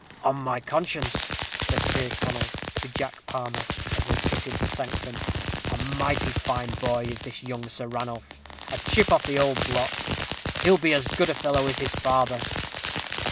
"On my conscience," said Tyrconnel to Jack Palmer, as they quitted the sanctum, "a mighty fine boy is this young Sir Ranulph! and a chip of the ould block! he'll be as good a fellow as his father."